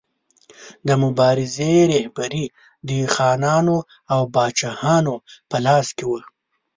د مبارزې رهبري د خانانو او پاچاهانو په لاس کې وه.